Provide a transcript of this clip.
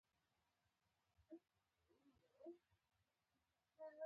د علي ډېری کارونه خامي لري.